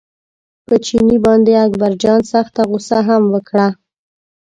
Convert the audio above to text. په چیني باندې اکبرجان سخته غوسه هم وکړه.